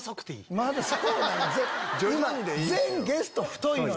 全ゲスト太いのよ。